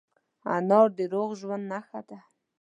انار د روغ ژوند نښه ده.